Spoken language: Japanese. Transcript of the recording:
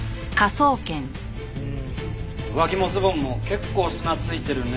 うーん上着もズボンも結構砂付いてるね。